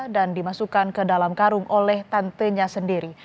dan dimasukkan ke dalam karung oleh tantenya sendiri